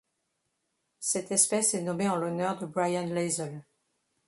Cette espèce est nommée en l'honneur de Brian Lazell.